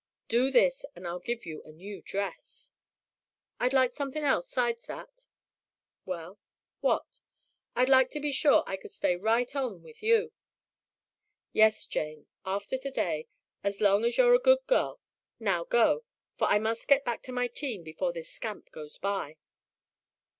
Do this and I'll give you a new dress." "I'd like somethin' else 'sides that." "Well, what?" "I'd like to be sure I could stay right on with you." "Yes, Jane, after today, as long as you're a good girl. Now go, for I must get back to my team before this scamp goes by."